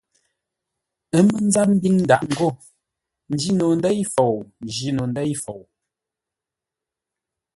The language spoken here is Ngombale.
Ə́ mə́ ńzáp ḿbíŋ ndâʼ ngô njî no ndêi fou, n njîno ndêi fou.